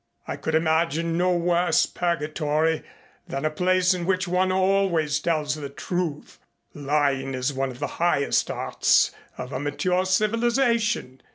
I could imagine no worse purgatory than a place in which one always tells the truth. Lying is one of the highest arts of a mature civilization.